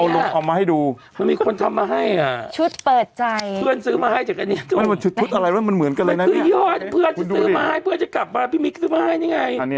แล้วเขาบอกว่ามันเหมือนชุดนี้